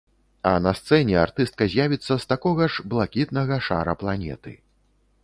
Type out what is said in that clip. А на сцэне артыстка з'явіцца з такога ж блакітнага шара-планеты.